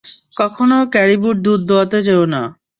কখনো ক্যারিবুর দুধ দোয়াতে যেও না।